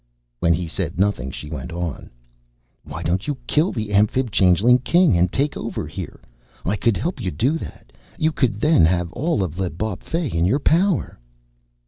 When he said nothing she went on. "Why don't you kill the Amphib changeling King and take over here? I could help you do that. You could then have all of L'Bawpfey in your power."